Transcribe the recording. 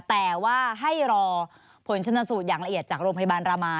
แต่ว่าให้รอผลชนสูตรอย่างละเอียดจากโรงพยาบาลรามา